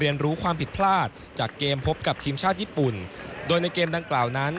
รู้ความผิดพลาดจากเกมพบกับทีมชาติญี่ปุ่นโดยในเกมดังกล่าวนั้น